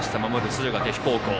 敦賀気比高校。